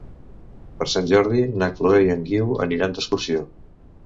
Per Sant Jordi na Chloé i en Guiu aniran d'excursió.